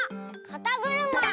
「かたぐるま」！